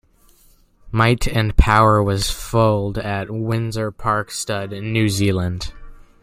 Might and Power was foaled at Windsor Park Stud in New Zealand.